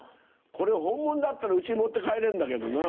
これ本物だったらうちに持って帰れるんだけどな。